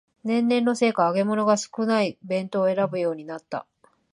年齢のせいか揚げ物が少ない弁当を選ぶようになった